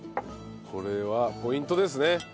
これはポイントですね。